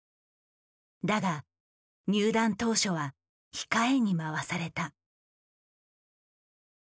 だが入団当初は控えに回された。